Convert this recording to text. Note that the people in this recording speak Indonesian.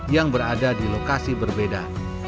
yang berada di lokasi berbeda